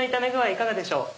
いかがでしょう？